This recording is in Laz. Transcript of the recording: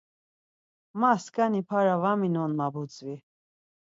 Ma skani para var minon ma butzvi.